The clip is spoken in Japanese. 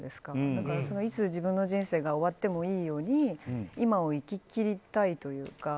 だから、いつ自分の人生が終わってもいいように今を生き切りたいというか。